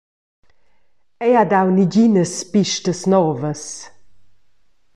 Ei ha dau neginas pistas novas.